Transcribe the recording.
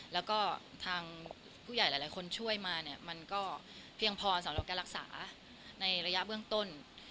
แล้วก็ทางผู้ใหญ่หลายคนช่วยมาเนี่ยมันก็เพียงพอสำหรับการรักษาในระยะเบื้องต้น